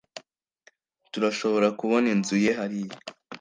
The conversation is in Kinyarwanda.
turashobora kubona inzu ye hariya